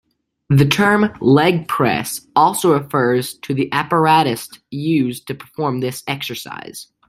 The term "leg press" also refers to the apparatus used to perform this exercise.